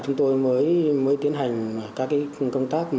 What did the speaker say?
chúng tôi mới tiến hành các công tác